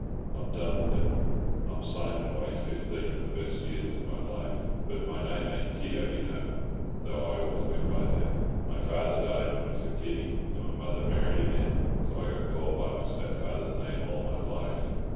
I'm done with it. I'm signing away fifteen of the best years of my life. But my name ain't Keogh, you know, though I always went by that. My father died when I was a kiddy, and my mother married again, so I got called by my stepfather's name all my life.